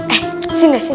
eh sini sini